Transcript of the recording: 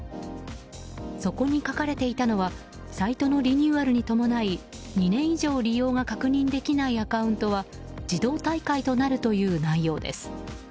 そこに書かれていたのはサイトのリニューアルに伴い２年以上、利用が確認できないアカウントは自動退会となるという内容です。